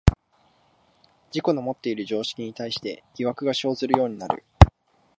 自己のもっている常識に対して疑惑が生ずるようになる。